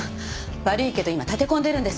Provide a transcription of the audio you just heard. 悪いけど今立て込んでるんです。